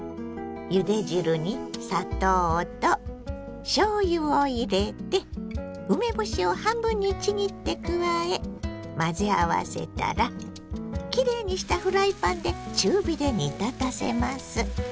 ゆで汁に砂糖としょうゆを入れて梅干しを半分にちぎって加え混ぜ合わせたらきれいにしたフライパンで中火で煮立たせます。